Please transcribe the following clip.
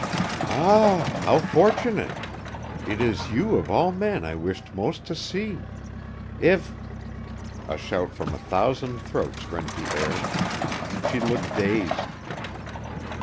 "Ah, how fortunate! It is you of all men I wished most to see. If " A shout from a thousand throats rent the air. She looked dazed.